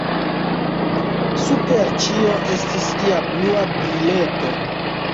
Super ĉio estis ia blua brileto.